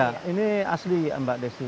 ya ini asli mbak desi